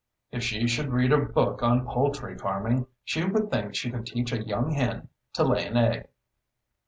If she should read a book on poultry farming she would think she could teach a young hen to lay an egg."